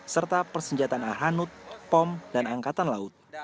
serta persenjataan ahanut pom dan angkatan laut